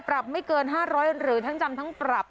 ไม่เกิน๕๐๐หรือทั้งจำทั้งปรับ